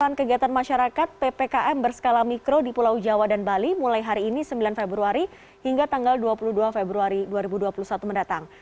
kegiatan kegiatan masyarakat ppkm berskala mikro di pulau jawa dan bali mulai hari ini sembilan februari hingga tanggal dua puluh dua februari dua ribu dua puluh satu mendatang